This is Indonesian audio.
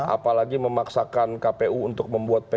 apalagi memaksakan kpu untuk membuangnya